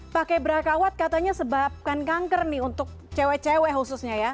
pakai brakawat katanya sebabkan kanker nih untuk cewek cewek khususnya ya